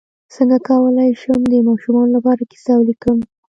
څنګه کولی شم د ماشومانو لپاره کیسه ولیکم